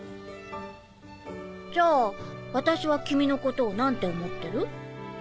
じゃあ私は君のことを何て思ってる？